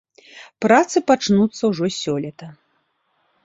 Працы пачнуцца ўжо сёлета.